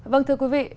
vâng thưa quý vị